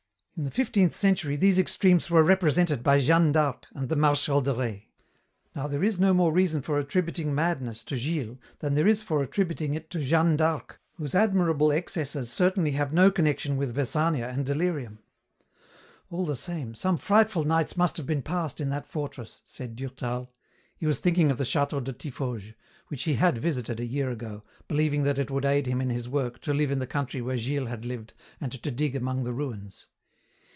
In the fifteenth century these extremes were represented by Jeanne d'Arc and the Marshal de Rais. Now there is no more reason for attributing madness to Gilles than there is for attributing it to Jeanne d'Arc, whose admirable excesses certainly have no connection with vesania and delirium. "All the same, some frightful nights must have been passed in that fortress," said Durtal. He was thinking of the château de Tiffauges, which he had visited a year ago, believing that it would aid him in his work to live in the country where Gilles had lived and to dig among the ruins.